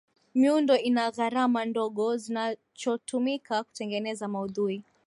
miundo ina gharama ndogo zinachotumika kutengeneza maudhui